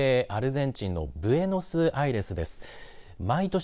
南米アルゼンチンのブエノスアイレスです。